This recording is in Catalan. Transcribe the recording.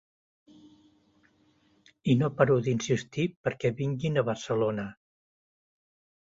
I no paro d’insistir perquè vinguin a Barcelona.